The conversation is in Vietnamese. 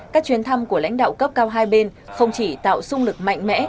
các chuyến thăm của lãnh đạo cấp cao hai bên không chỉ tạo sung lực mạnh mẽ